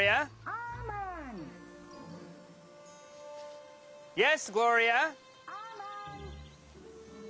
・アーマン！